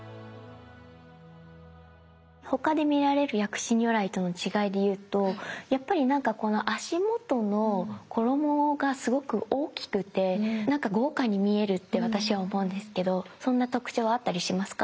他で見られる薬師如来との違いでいうとやっぱりなんかこの足元の衣がすごく大きくてなんか豪華に見えるって私は思うんですけどそんな特徴はあったりしますか？